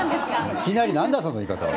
いきなりなんだその言い方は。